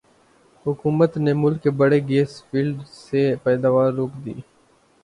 حکومت نے ملک کے بڑے گیس فیلڈز سے پیداوار روک دی